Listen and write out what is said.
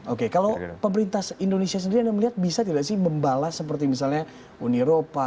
oke kalau pemerintah indonesia sendiri anda melihat bisa tidak sih membalas seperti misalnya uni eropa